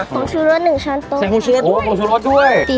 ของชูรสหนึ่งช้อนโต๊ะใส่ของชูรสด้วยโอ้ยของชูรสด้วย